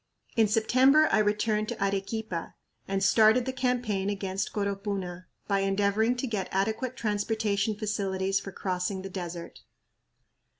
In September I returned to Arequipa and started the campaign against Coropuna by endeavoring to get adequate transportation facilities for crossing the desert.